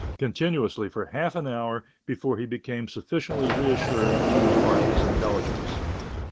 " continuously for half an hour before he became sufficiently reassured to impart his intelligence.